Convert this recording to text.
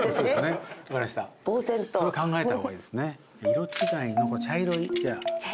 色違いの茶色いじゃあ。